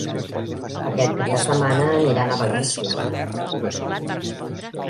Aquest cap de setmana aniran a València.